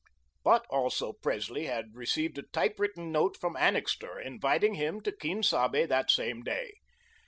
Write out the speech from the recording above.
But also Presley had received a typewritten note from Annixter, inviting him to Quien Sabe that same day.